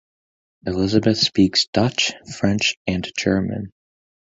Elisabeth speaks Dutch, French and German.